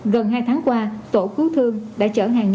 gần hai tháng qua tổ cứu thương đã chở hàng